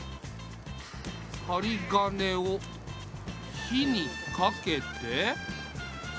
はりがねを火にかけて。